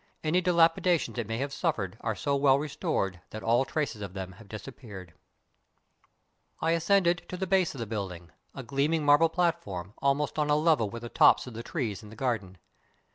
Any dilapidations it may have suffered are so well restored that all traces of them have disappeared. I ascended to the base of the building — a gleaming marble platform, almost on a level with the tops of the trees in the garden.